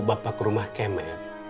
bapak rumah kemet